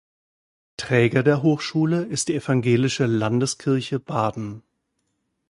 Träger der Hochschule ist die Evangelische Landeskirche Baden.